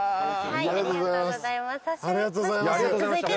ありがとうございます。